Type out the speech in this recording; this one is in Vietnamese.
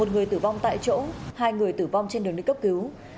một người tử vong tại chỗ hai người tử vong trên đường đi cấp cứu